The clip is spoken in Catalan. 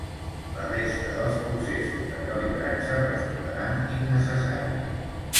La resta dels processos de calibratge resultaran innecessaris.